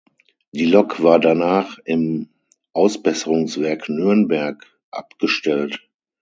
Die Lok war danach im Ausbesserungswerk Nürnberg abgestellt.